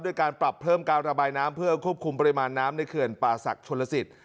การปรับเพิ่มการระบายน้ำเพื่อควบคุมปริมาณน้ำในเขื่อนป่าศักดิ์ชนลสิต